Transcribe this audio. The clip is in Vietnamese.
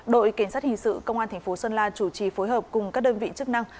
đội kiến sát hình sự công an thành phố sơn la chủ trì phối hợp cùng các đơn vị chức năng